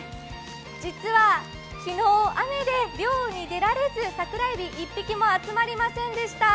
実は昨日、雨で漁に出られず、さくらえび１匹も集まりませんでした。